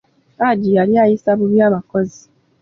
Hajji yali ayisa bubi abakozi.